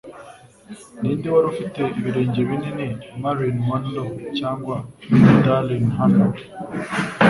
Ninde wari ufite ibirenge binini Marilyn Monroe cyangwa Daryl Hannah?